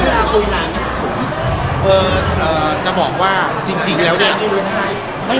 เออจะบอกว่าจริงแล้วเนี่ย